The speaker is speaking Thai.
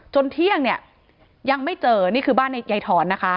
เที่ยงเนี่ยยังไม่เจอนี่คือบ้านในยายถอนนะคะ